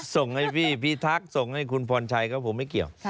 ส่งให้พี่พิทักษ์ส่งให้คุณพรชัยก็ผมไม่เกี่ยว